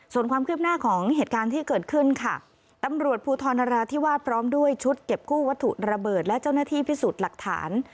ส่วนความคืบหน้าของเหตุการณ์ที่เกิดขึ้นค่ะตำรวจภูทรนราธิวาสพร้อมด้วยชุดเก็บกู้วัตถุระเบิดและเจ้าหน้าที่พิสูจน์หลักฐาน